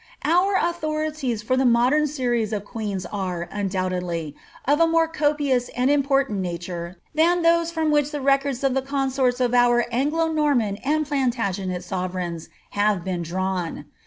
Our authorities for the modern series of queens are, undoubtedly, of a more copious and important nature than those from which the records of the consorts of our Anglo Norman and Plantagenet sove reigns have been drawn.